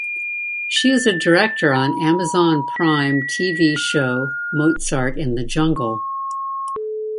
She is a director on Amazon Prime Tv Show "Mozart in the Jungle".